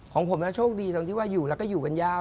ของผมโชคดีตรงที่ว่าอยู่แล้วก็อยู่กันยาว